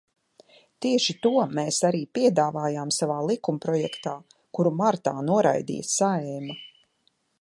Tieši to mēs arī piedāvājām savā likumprojektā, kuru martā noraidīja Saeima.